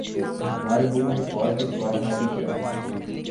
ہمارے ملک میں فوج کے سوا ھے بھی کیا